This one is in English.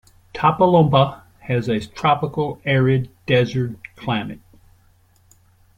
Topolobampo has a tropical arid desert climate.